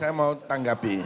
saya mau tanggapi